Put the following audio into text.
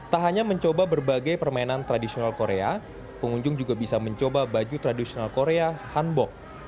tak hanya mencoba berbagai permainan tradisional korea pengunjung juga bisa mencoba baju tradisional korea hanbok